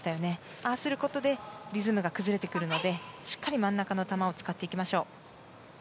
ああすることでリズムが崩れてくるのでしっかり真ん中の球を使っていきましょう。